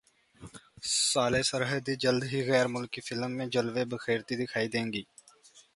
ژالے سرحدی جلد ہی غیر ملکی فلم میں جلوے بکھیرتی دکھائی دیں گی